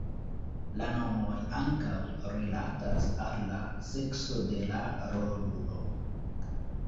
La nomoj ankaŭ rilatas al la sekso de la rolulo.